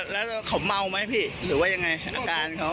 แล้วเขาเมาไหมพี่หรือว่ายังไงสถานการณ์เขา